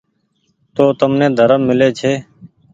تو تمني ڌرم ميلي ڇي۔